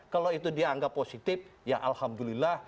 kalau itu dianggap positif ya alhamdulillah